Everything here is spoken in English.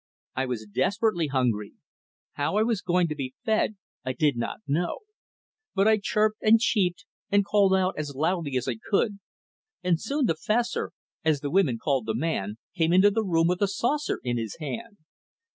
I was desperately hungry. How I was going to be fed I did not know. But I chirped, and cheeped, and called out as loudly as I could, and soon the "Fessor" as the women called the man came into the room with a saucer in his hand.